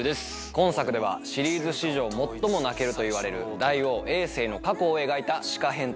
今作ではシリーズ史上最も泣けるといわれる大王政の過去を描いた紫夏編と。